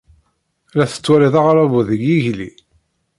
La tettwalid aɣerrabu deg yigli?